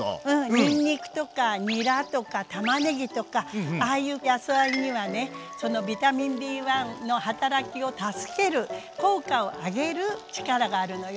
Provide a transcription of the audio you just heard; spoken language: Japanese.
にんにくとかにらとかたまねぎとかああいう野菜にはねそのビタミンＢの働きを助ける効果を上げる力があるのよ。